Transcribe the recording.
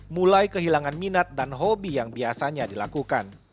mulai kehilangan minat dan hobi yang biasanya dilakukan